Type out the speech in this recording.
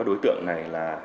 đối tượng này là